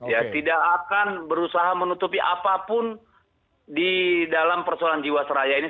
ya tidak akan berusaha menutupi apapun di dalam persoalan jiwasraya ini